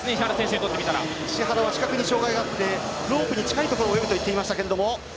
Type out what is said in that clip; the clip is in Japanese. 石原は視覚に障害があってロープに近いところを泳ぐといっていましたが。